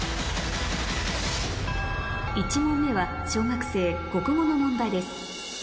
１問目は小学生国語の問題です